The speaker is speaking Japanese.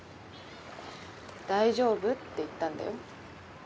「大丈夫？」って言ったんだよ